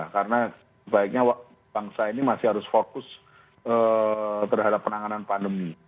karena sebaiknya bangsa ini masih harus fokus terhadap penanganan pandemi